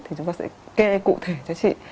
thì chúng ta sẽ kê cụ thể cho chị